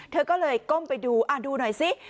เธอก็เลยก้มไปดูดูหน่อยซิ